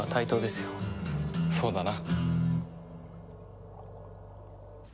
そうだな。